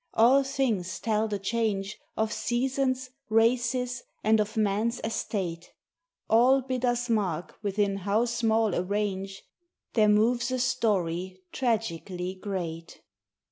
All things tell the change Of seasons, races, and of man's estate: All bid us mark within how small a range There moves a story tragically great.